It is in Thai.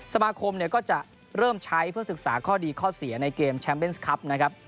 สมาคมเนี่ยก็จะเริ่มใช้เพื่อศึกษาข้อดีข้อเสียในเกมแชมเบนส์ครับนะครับ